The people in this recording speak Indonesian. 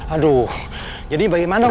aduh jadi bagaimana pak rt